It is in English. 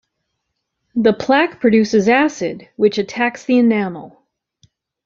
The plaque produces acid, which attacks the enamel.